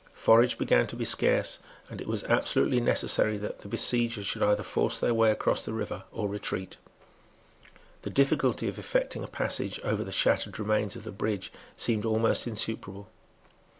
Forage began to be scarce; and it was absolutely necessary that the besiegers should either force their way across the river or retreat. The difficulty of effecting a passage over the shattered remains of the bridge seemed almost insuperable.